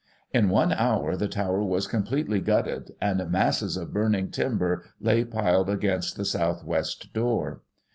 In one hour, the tower was completely gutted, and masses of burning timber lay piled against the south west door.